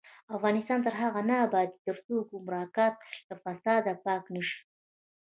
افغانستان تر هغو نه ابادیږي، ترڅو ګمرکات له فساده پاک نشي.